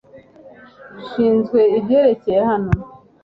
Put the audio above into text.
Nshinzwe ibyabereye hano .